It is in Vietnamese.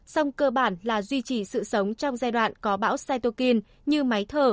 song cơ bản là duy trì sự sống trong giai đoạn có bão saitokin như máy thở